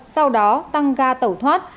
sau đó tăng ga tẩu thoát